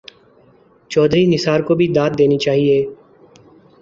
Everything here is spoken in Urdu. چوہدری نثار کو بھی داد دینی چاہیے۔